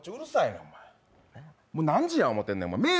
何時や思てんねん。